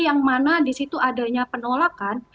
yang mana di situ adanya penolakan